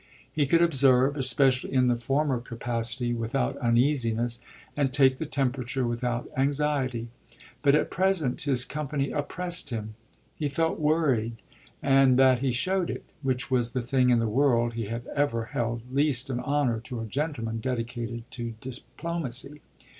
He could observe, especially in the former capacity, without uneasiness and take the temperature without anxiety. But at present his company oppressed him; he felt worried and that he showed it which was the thing in the world he had ever held least an honour to a gentleman dedicated to diplomacy.